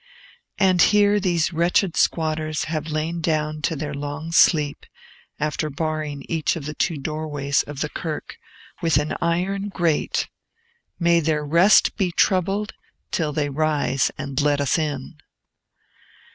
And here these wretched squatters have lain down to their long sleep, after barring each of the two doorways of the kirk with an iron grate! May their rest be troubled, till they rise and let us in!